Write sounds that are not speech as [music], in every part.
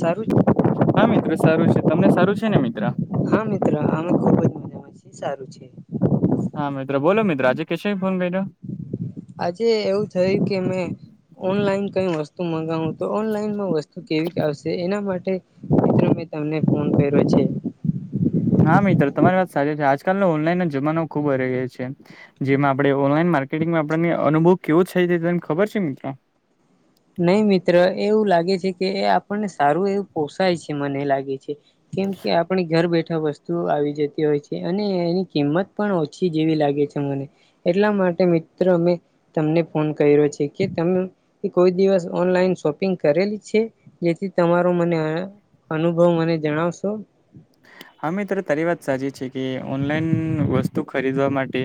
સારું હા મિત્રો સારું છે. તમને સારું છે ને મિત્રા. હા મિત્ર અમે ખુબ જ મજામાં છીએ સારું છે. હા મિત્રો બોલો મિત્રો આજે કેશ ફોન કરજ્યો? આજે એવું થય કે મેં ઓનલાઈન કઈ વસ્તુ મગાવું તો. ઓનલાઈન વતુ કેવી આવશે એના માટે મિત્રો મેં તમને ફોન કર્યો છે. હા મિત્ર તમારી વાત સાચ છે. આજકાલનો ઓનલાઈન ના જમાનો ખુબ હ છે. જેમાં આપડણે ઓનલાઈન માર્કેટિંગમાં આપને અનુભવ કેવો છે તે તને ખબર છે મિત્રો નહી મિત્ર એવું લાગે છે કે એ આપણને સારું એવું પોસાય છે મને લાગે છે. કેમ કે આપણે ઘર બેઠા વસ્તુ આવી જતી હોય છે અને એની કિંમત પણ ઓછી જેવી લાગે છે મને એટલા માટે મિત્રો અમે તમને ફોન કર્યો છે, કે તમે કોઈ દિવસ ઓનલાઈન શોપિંગ કરેલી છે? જેથી તમારું મને અનુભવ મને જણાવશો? અમિત તારી વાત સાચી છે કે ઓનલાઈન વસ્તુ ખરીદવા માટે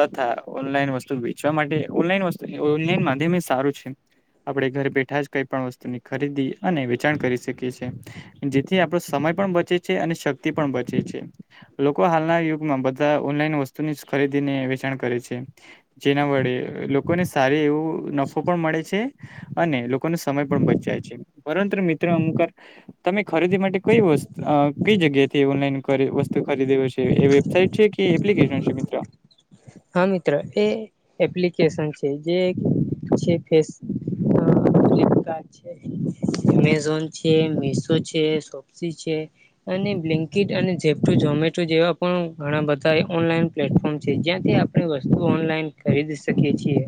તથા ઓનલાઈન વસ્તુ વેચવા માટે, ઓનલાઇન વસ્ ઓનલાન માધ્યમે સારું છે. આપણે ઘર બેઠા જ કઈ પણ વસ્તુની ખરીદી અને વેચાણ કરી શકીએ છીએ. જેથી આપણો સમય પણ બચે છે અને શક્તિ પણ બચે છે. લોકો હાલના યુગમાં બધા ઓનલાઈન વસ્તુની ખરીદીને વેચાણ કરે છે. જેના વડે લોકોને સારી એવું નફો પણ મળે છે. અને લોકોનો સમય પણ બચાય છે. પરંતુ મિત્રો અમુકવાર તમે ખરીદી માટે કઈ વસ્ આ કઈ જગ્યાથી ઓનલાઈન વસ્તુ ખરીદે છે એ વેબસાઇટ છે કે એપ્લિકેશન છે મિત્રો? હા મિત્રો એ એપ્લિકેશન છે જે છે ફેસ ફ્લિપકાર્ટ છે, એમેઝોન છે, મીશો છે, સોપ્સી છે. અને બ્લન્કીટ અને ઝપુ ઝમેટો જેવા પણ ઘણા બધા ઓનલાઈન પ્લેટફોર્મ છેઈ ગયા. એ આપણે વસ્તુ ઓનલાઈન ખરીદી શકીએ છીએ.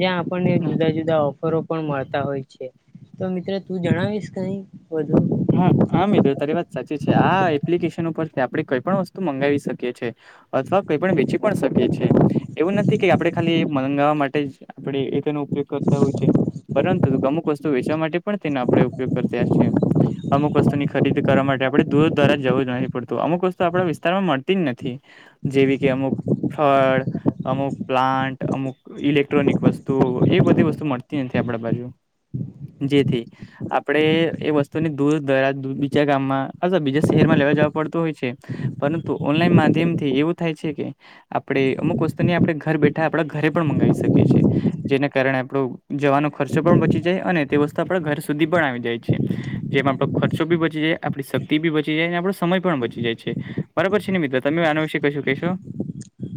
જ્યાં આપ આપણને જુદા જુદા પણ મળતા હોય છે તો મિત્રો તું જણાવીશ કઈ બધુ હા હા મિત્રો તારી વાત સાચી છે આ એપ્લિકેશન ઉપરથી આપણે કોઈ પણ વસ્તુ મંગાવી શકીએ છીએ. અથવા કઈ પણ વેચી પણ શકી છીએ. એવું નથી કે આપડે ખાલી મંગાવવા માટે જ આપડે એ તેનો ઉપયોગ કરતા હોય છે. પરંતુ અમુક વસ્તુ વેચવા માટે પણ તેનો આપણે ઉપયોગ કરતા છીએ. અમુક વસ્તુ ની ખરીદી કરવા માટે આપણે દૂર દ્વારા જવું જ નથી પડતું અમુક વસ્તુ આપણા વિસ્તારમાં મળતી જ નથી. જેવી કે અમુક ફળ, અમુક પ્લાન્ટ, અમુક ઇલેક્ટ્રોનિક વસ્તુ એવી બધી વસ્તુ મળતી નથી આપડા બાજુ. જેથી આપણેે એ વસ્તુ તો દૂર દરાજ બીજા ગામમાં અ બીજા શહેરમાં લેવા જવા પડતું હોય છે તો ઓનલાઈન માધ્યમથી એવું થાય છે કે આપડે અમુક વસ્તુને આપણે ઘર બેઠા આપડા ઘરે પણ મંગાવી શકીએ છીએ. જેના કારણે આપણો જવાનો ખર્ચો પણ બચી જાય અને તે વસ્તુ આપણા ઘર સુધી પણ આવી જાય છે. જેમાં આપણો ખર્ચો બી બચી જાય, આપણી શક્તિ બી બચી જાય અને આપણો સમય પણ બચી જાય છે. બરાબર છે ને મિત્ર, તમે આના વિશે કશું કેશો?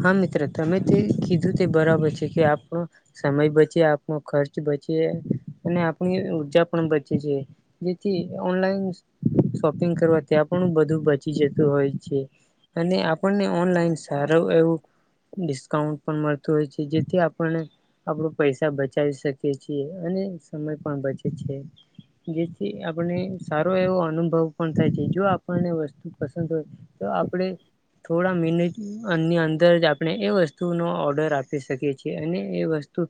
હા મિત્ર તમે જે કીધું તે બરાબર છે કે આપણો સમય બચે, આપનો ખર્ચ બચે અને આપણી ઉર્જા પણ બચે છે. જેથી ઓનલાઈન શોપિંગ કરવા ત્યાં પણ બધું બચી જતું હોય છે. અને આપણને ઓનલાઈન સારો એવું ડિસ્કાઉન્ટ પણ મળતું હોય છે જેથી આપણને આપણ પૈસા બચાવી શકીએ છીએ અને સમય પણ બચે છે. જેથી આપને સારો એવો અનુભવ પણ થાય છે જો આપણને વસ્તુ પસંદ હોય તો આપડે થોડા મિનીટ ની અંદર જ આપણે એ વસ્તુનો ઓર્ડર આપી શકીએ છીએ અને એ વસ્તુ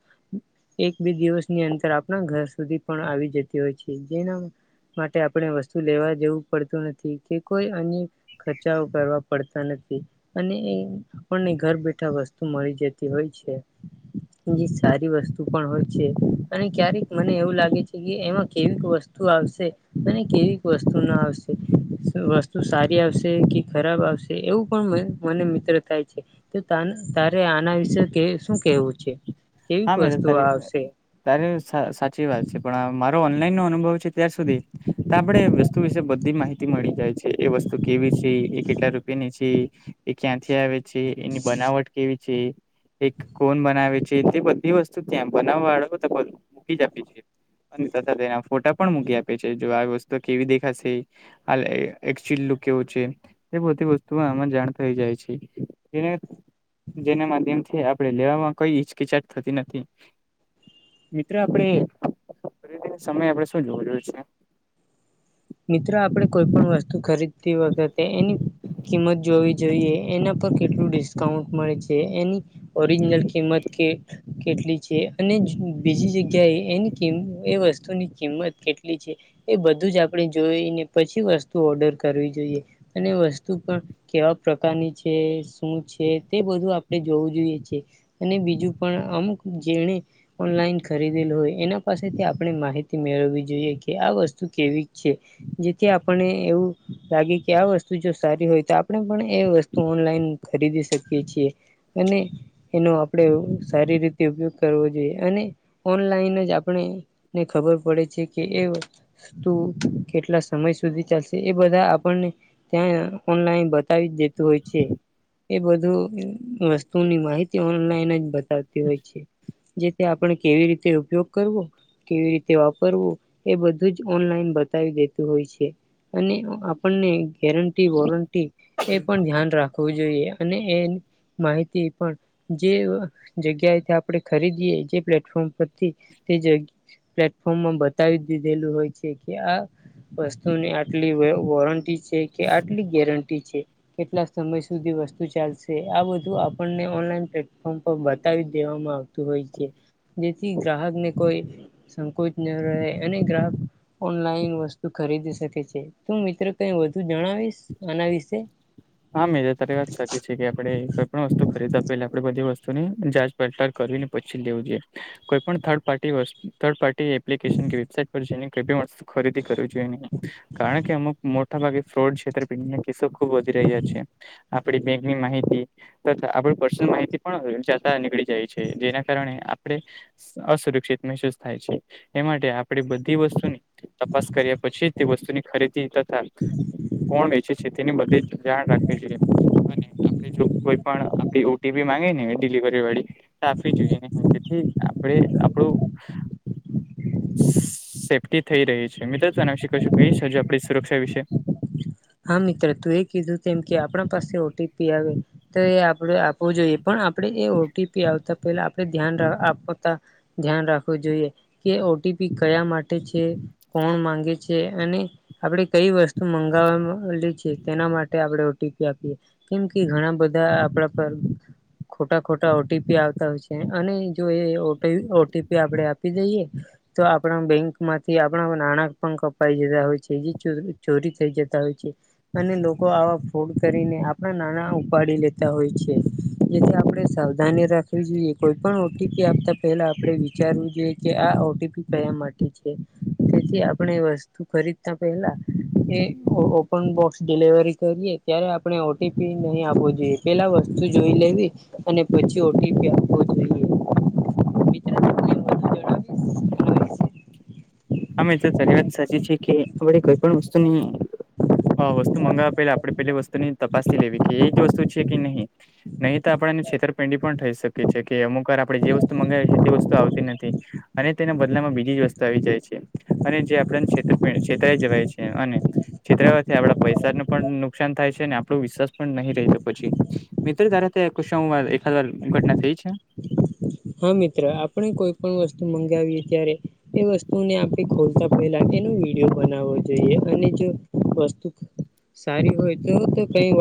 એક બે દિવસની અંદર આપણા ઘર સુધી પણ આવી જતી હોય છે જેના માટે આપણે વસ્તુ લેવા જવું પડતું નથી કે કોઈ અન્ય ખર્ચાવ કરવા પડતા નથી અને એ આપણને ઘર બેઠા વસ્તુ મળી જતી હોય છે. જે સારી વસ્તુ પણ હોય છે અને ક્યારેક મને એવું લાગે છે કે એમાં કેવી વસ્તુ આવશે અને કેવી વસ્તુ ના આવશે. વસ્તુ સારી આવશે કે ખરાબ આવશે એવું પણ મને મિત્ર થાય છે. તારે આના વિશે શું કેવું છે? કેવીક હા મે વસ્તુઓ તારી આવશે? તારે સાચી વાત છે. પણ મારો ઓનલાઈન નો અનુભવ છે ત્યા સુધી તો આપડે વસ્તુ વિશે બધી માહિતી મળી જાય છે એ વસ્તુ કેવી છે. એ કેટલા રૂપિયા ની છે એ ક્યાંથી આવે છે એની બનાવટ કેવી એ એક કોન બનાવે છે. તે બધી વસ્તુ ત્યાં બનાવવા વાળા તો મૂકી જ આપીએ છીએ. તથા તેના ફોટા પણ મૂકી આપે છે જો આવી વસ્તુ કેવી દેખાશે. હ લે એકચુલ લુંક કેવું છે. એ બધી વસ્તુ આમાં જાણ થઈ જાય છે એને જેના માધ્યમથી આપડે લેવામાં કોઈ હિચકિચાટ થતી નથી. મિત્ર આપડે ફરિથીન સમય આપડે શું જોવા જઉં છે મિત્ર આપેડે કોઈ પણ વસ્તુ ખરીદતી વખતે એની કિંમત જોવી જોઈએ એના પર કેટલું ડિસ્કાઉન્ટ મળે છે એની ઓરિજિનલ કિંમત કે કેટલી છે અને બીજી જગ્યાએ એની કિંમ એ વસ્તુની કિંમત કેટલી છે. એ બધું જ આપડે જોઈને પછી વસ્તુ ઓર્ડર કરવી જોઈએ અને એ વસ્તુ પણ કેવા પ્રકારની છે શું છે તે બધું આપડે જોવું જોઈએ છે. અને બીજું પણ અમુક જેણે ઓનલાઈન ખરીદેલું હોય એના પાસેથી આપણે માહિતી મેળવવી જોઈએ કે આ વસ્તુ કેવી છે. જેથી આપણને એવું લાગે કે આ વસ્તુ જો સારી હોય તો આપણે પણ એ વસ્તુ ઓનલાઈન ખરીદી શકીએ છીએ અને એનો આપણે સારી રીતે ઉપયોગ કરવો જોઈએ અને ઓનલાઈન જ આપણે ને ખબર પડે છે કે એ વતુ કેટલા સમય સુધી ચાલશે એ બધા આપણને. ત્યાં ઓનલાઈન બતાવી જ દેતું હોય છે. એ બધું વસ્તુની માહિતી ઓનલાઈન જ બતાવતી હોય છે, જે તે આપણે કેવી રીતે ઉપયોગ કરવો કેવી રીતે વાપરવો એ બધું જ ઓનલાઈન બ. બતાવી દેતું હોય છે, અને આપણને ગેરંટી વોરંટી એ પણ ધ્યાન રાખવું જોઈએ અને એ. માહિતી પણ જે જગ્યા એથી આપણે ખરીદીએ જે પ્લેટફોર્મ પર. તે પ્લેટફોર્મ માં બતાવી દીધેલું હોય છે. કે આ વસ્તુની આટલી વોરંટી છે કે આટલી ગેરંટી છે. કેટલા સમય સુધી વસ્તુ ચાલશે આ બધું આપણને ઓનલાઈન પ્લેટફોર્મ પર બતાવી દેવામાં આવ. હોય છે, જેથી ગ્રાહકને કોઈ સંકોચ ન રહે અને ગ્રાહક ઓનલાઈન વસ્તુ ખરીદી શકે છે તું મિત્ર કઈ વધુ જણાવીશ? આના વિશે હા મેજા તારી વાત સાચી છે. કે આપડે કોઈ પણ વસ્તુ ખરીદવા પહેલા આપણે બધી વસ્તુ ની જાંચ પડતાલ કરીને પછી જ લેવું જોઈએ. કોઈ પણ થર્ડ પાર્ટી વસ્તુ થર્ડ પાર્ટી એપ્લિકેશન કે વેબસાાઈટ પર છે ક વસ્ત ખરીદી કરવી જોઈએ નહી, કારણ કે અમુક ફ્રોડ છેતરપિંડી ના કેસો ખુબ વધી રહ્યા છે આપડી બેંકની માહિતી. આપણ પર્સનલ માહિતી પણ જતા નીકળી જાય છે જેના કારણે આપણે અસુરક્ષિત મહેસૂસ થાય છે, એ માટે આપડી બધી વસ્તુની તપાસ કર્યા પછી તે વસ્તુની ખરીદી તથા. કોણ વેચે છે તેની બધે ધ્યાન રાખવી જોઈએ, અને આપે જો કોઈ પણ આપડી ઓ ટી પી માંગે ને ડિલિવરી વાળી. રાખવી જોઈએ જેથી આપણે આપણું. [inaudible] સેફ્ટી થઇ રહી છે મિત તોના વિશે કશું કઈ હજુ આપણી સુરક્ષા વિશે. હા મિત્ર તું એ કીધું તેમ કે આપણા પાસે ઓટીપી આવે. તો એ આપણે આપવું જોઈએ પણ આપડે એ ઓટી પી આવતા પેલા આપડે ધ્યાન આપતા. ધ્યાન રાખવું જોઈએ. કે ઓટીપી કયા માટે છે કોણ માંગે છે અને. આપડે કઈ વસ્તુ મંગાવવામાં લ છે તેના માટે આપણે ઓ ટી પી આપીએ, કેમ કે ઘણા બધા આપણા પર ખોટા ખોટા ઓ ટી પી આવતા હોય છે અને જો એ ઓ ટી પી આપડે આપી દઈએ. તો આપણા બેંક માંથી આપણા નાણાં પણં કપાઈ જતા હોય છે જે ચોરી થઈ જતા હોય છે. અને લોકો આવા ફોડ કરીને આપણા નાણા ઉપાડી લેતા હોય છે. જેથી આપણે સાવધાની રાખવી જોઈએ કોઈ પણ ઓટીપી આપતા પેલા આપડે વિચારવું જોઈએ. કે આ ઓટીપી કયા માટે છે. જેથી આપણે વસ્તુ ખરીદતા પહેલા એ ઓ પણ બોક્સ ડિલવરી કરીએ ત્યારે આપણે ઓટીપી નહી આપવું જોઈએ પેલા વસ્તુ જોઈ લેવી અને પછી ઓટીપી આપવો જોઈએ મિત્ર વધુ જણાવીશ એના વિશે અમે તો સારી વાત સાચી છીએ કે આપણે કોઈ પણ વસ્તુની હ વસ્તુ મંગાવવા પેલા આપણે પેલી વસ્તુની તપાસી લેવી કે એજ વસ્તુ છે કે નહી. નહીં તો આપણેને છેતરપિંડી પણ થઈ શકીએ છે કે અમુક વાર આપણે જે વસ્તુ મંગાવી તે વસ્તુ આવતી નથી. અને તેના બદલામાં બીજી જ વસ્તુ આવી જાય છે. અને જે આપણને છેતરપી છેતરાઈ જવાય છે અને છેતરાવાથી આપડા પૈસાને પણ નુકસાન થાય છે ને આપણો વિશ્વાસ પણ નહી રહેતો પછી મિત્ર તારે ત્યાં શુંક વાર એકાદ વાર ઘટના થઈ છે. હા મિત્ર આપણે કોઈ પણ વસ્તુ મંગાવીએ ત્યારે એ વસ્તુને આપણે ખોલતા પેલા એનો વિડીયો બનાવવો જોઈએ અને જો વસ્તુ સારી હોય તો તો કઈ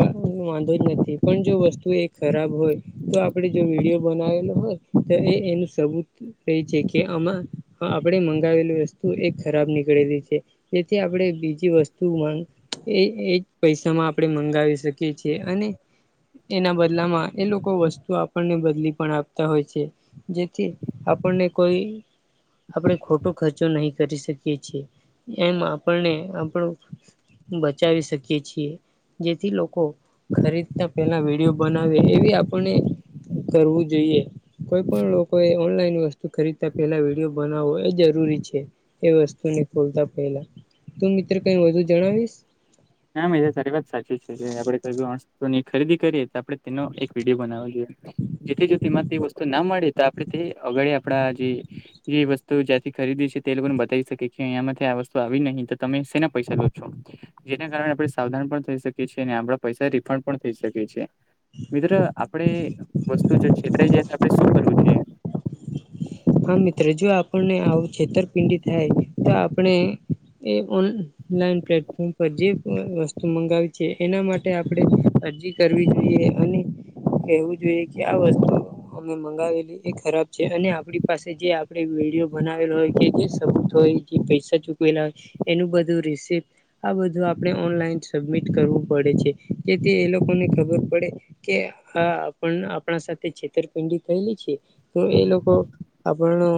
વાંધો જ નથી પણ જો વસ્તુ એ ખરાબ હોય તો આપડે જો વિડીયો બનાવેલો હોય તો એ એનું સબુત રહી છે કે આમાં આપણે મંગાવેલી વસ્તુ એક ખરાબ નીકળેલી છે. જેથી આપણે બીજી વસ્તુ માં એ એજ પૈસામાં આપણેે મંગાવી શકીએ છીએ અને એના બદલામાં એ લોકો વસ્તુ આપણને બદલી પણ આપતા હોય છે. છે જેથી આપણને કોઈ આપણે ખોટો ખર્ચો નહીં કરી શકીએ છીએ એમ આપણને આપણું બચાવી શકીએ છીએ જેથી લોકો ખરીદતા પેલા વિડીયો બનાવે એવી આપણને કરવું જોઈએ. કોઈ પણ લોકો એ ઓનલાઈન વસ્તુ ખરીદતા પહેલા વિડીયો બનાવો એ જરૂરી છે એ વસ્તુને ખોલતા પહેલા તું મિત્ર કઈ વધુ જણાવીશ ના મેજર સારી વાત સાચી છે જે આપણે કોઈ ની ખરીદી કરીએ તો આપડે તેનો એક વિડીયો બનાવો જોઈએ. જેથી જો તેમાં વસ્તુ ના મળે તો આપે તે આગડ આપણા જે જે વસ્તુ જ્યાંથી ખરીદી છે તે લોકોને બતાવી શકે કે અહીંમાંથી આ વસ્તુ આવી નહી તો તમે શેના પૈસા લો છો જેના કારણે આપણે સાવધાન પણ થઈ શકીએ છીએ અને આપણા પૈસા રિફંડ પણ થઇ શકીએ છીએ. મિત્ર આપણેે વસ્તુ જો છેતરાઈ જાય તો આપણે શું કરવું જોઈએ? હા મિત્ર જો આપણને આવું છેતરપિંડી થાય તો આપણે એ ઓન ઓનલાઈન પ્લેટફોર્મ પર જે વસ્તુ મંગાવી છે એના માટે આપણે અરજી કરવી જોઈએ અને કેહેવું જોઈએ કે આ વસ્તુ અમે મંગાવેલી એ ખરાબ છે અને આપડી પાસે જે આપણે વિડીયો બનાવેલો હોય કે જે શબ્દ હોય જે પૈસા ચૂકવેલા હોય એનું બધું રિસિપ આ બધું આપણે ઓનલાઈન સબમિટ કરવું પડે છે જેથી એ લોકોને ખબર પડે કે હા આપણ આપણા સાથે છેતરપિંડી થયેલી છે તો એ લોકો આ પણ નો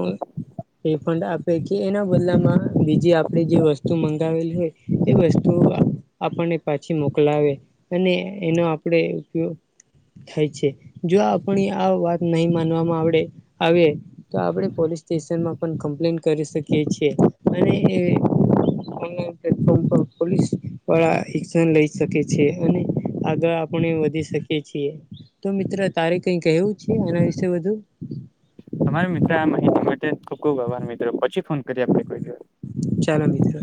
રિફંડ આપે કે એના બદલામાં બીજી આપણે જે વસ્તુ મંગાવેલી હોય એ વસ્તુ આ આપણને પાછી મોકલાવે અને એનો આપણે ઉપયોગ થાય છે જો આપણી આ વાત નહીં માનવામાં આવડે આવે તો આપણે પોલીસ સ્ટેશનમાં પણ કમ્પ્લેન કરી શકીએ છીએ અને એ [inaudible] પ્લેટફોર્મ પર પોલીસ વાળા એક્શન લઈ શકે છે અને આગ આપણે વધી શકી છીએ તો મિત્ર તારે કઈ કહેવું છે એના વિશે વધુ? તમારા મિત્ર આ માહિતી માટે મિત્રો પછી ફોન કરી આપે કોઈ દ ચાલો મિત્ર.